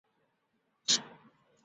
而禾寮港街属镇北坊。